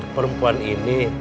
oh benar ini